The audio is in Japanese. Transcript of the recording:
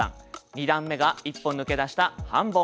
２段目が一歩抜け出した半ボン。